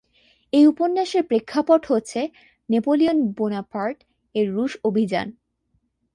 এই উপন্যাসের প্রেক্ষাপট হচ্ছে নেপোলিয়ন বোনাপার্ট-এর রুশ অভিযান।